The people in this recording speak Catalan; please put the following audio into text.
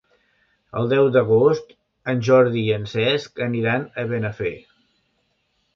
El deu d'agost en Jordi i en Cesc aniran a Benafer.